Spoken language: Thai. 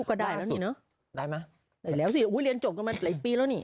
ก็ได้เนี่ยเนาะได้มาแล้วสิอุ๊ยเรียนจบกันมาหลายปีแล้วเนี่ย